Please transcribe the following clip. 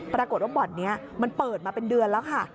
ปรากฏว่าบ่อนนี้มันเปิดมาเป็นเดือนแล้วค่ะ